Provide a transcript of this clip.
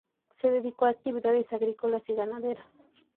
Se dedicó a actividades agrícolas y ganaderas.